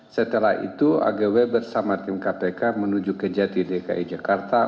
setelah itu agw bersama tim kpk menuju ke jati dki jakarta